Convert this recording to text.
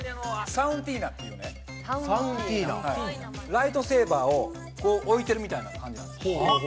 ライトセーバーをこう置いてるみたいな感じなんですよ。